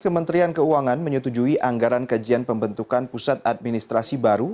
kementerian keuangan menyetujui anggaran kajian pembentukan pusat administrasi baru